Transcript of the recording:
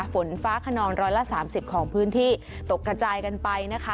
ฝนฟ้าขนองร้อยละ๓๐ของพื้นที่ตกกระจายกันไปนะคะ